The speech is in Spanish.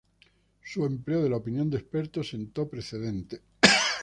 Su empleo de la opinión de expertos sentó precedente.